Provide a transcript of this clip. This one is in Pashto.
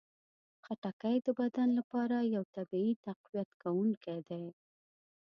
خټکی د بدن لپاره یو طبیعي تقویت کوونکی دی.